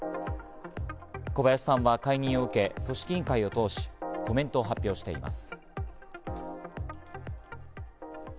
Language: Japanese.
小林さんは解任を受け、組織委員会を通しコメントを発表しています。